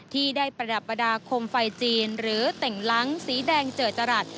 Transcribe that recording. ที่ได้ประดับประดาคมไฟจีนหรือเต่งหลังสีแดงเจิดจรัส